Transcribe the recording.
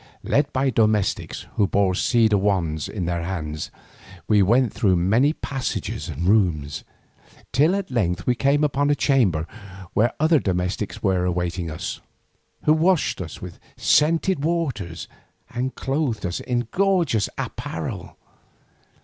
Led by domestics who bore cedar wands in their hands, we went through many passages and rooms, till at length we came to a chamber where other domestics were awaiting us, who washed us with scented waters and clothed us in gorgeous apparel.